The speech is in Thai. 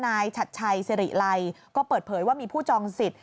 ฉัดชัยสิริไลก็เปิดเผยว่ามีผู้จองสิทธิ